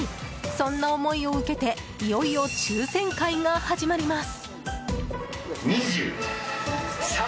そんな思いを受けていよいよ抽選会が始まります。